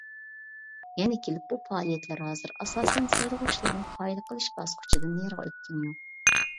يەنە كېلىپ بۇ پائالىيەتلەر ھازىر ئاساسەن سايلىغۇچىلارنى قايىل قىلىش باسقۇچىدىن نېرىغا ئۆتكىنى يوق.